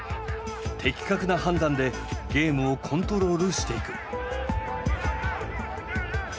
的確な判断でゲームをコントロールしていく。